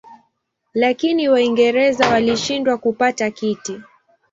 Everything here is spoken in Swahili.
Lakini Waingereza walishindwa kupata kiti.